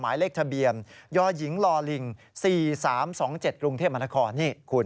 หมายเลขทะเบียนยหญิงลอลิง๔๓๒๗กรุงเทพมนครนี่คุณ